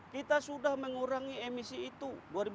kita sudah mengurangi emisi itu